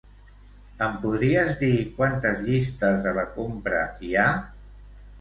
Em podries dir quantes llistes de la compra hi ha?